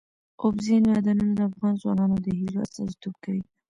اوبزین معدنونه د افغان ځوانانو د هیلو استازیتوب کوي.